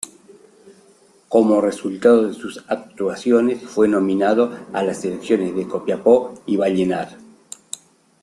Como resultado de sus actuaciones fue nominado a las selecciones de Copiapó y Vallenar.